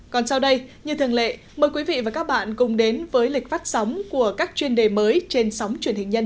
còn sau đây như thường lệ mời quý vị và các bạn cùng đến với lịch phát sóng của các truyền hình nhân dân